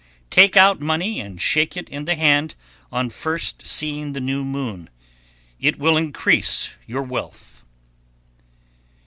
_ 1101. Take out money and shake it in the hand on first seeing the new moon; it will increase your wealth.